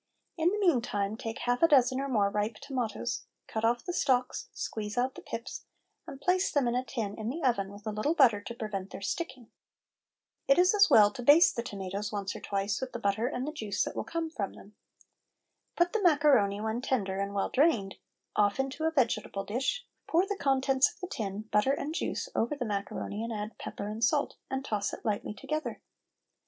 In the meantime take half a dozen or more ripe tomatoes; cut off the stalks, squeeze out the pips, and place them in a tin in the oven with a little butter to prevent their sticking. It is as well to baste the tomatoes once or twice with the butter and the juice that will come from them. Put the macaroni when tender and well drained off into a vegetable dish, pour the contents of the tin, butter and juice, over the macaroni and add pepper and salt, and toss it lightly together.